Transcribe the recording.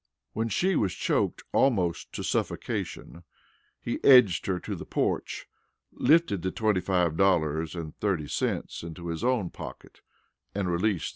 When she was choked almost to suffocation, he edged her to the porch, lifted the twenty five dollars and thirty cents into his own pockets, and released the chain.